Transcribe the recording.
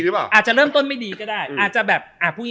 ใช่ไหมอาจจะเริ่มต้นไม่ดีก็ได้อาจจะแบบอาจผู้